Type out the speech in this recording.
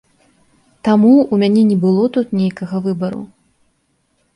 Таму ў мяне не было тут нейкага выбару.